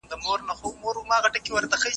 زه مخکي ږغ اورېدلی و!.